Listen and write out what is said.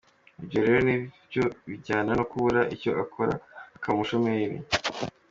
Ibyo rero ni byo bijyana no kubura icyo akora akaba umushomeri.